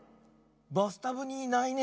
バスタブにいないね。